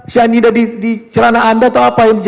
cyanida di celana anda atau apa yang terjadi